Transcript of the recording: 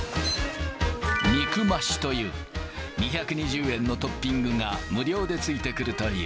肉増しという２２０円のトッピングが無料で付いてくるという。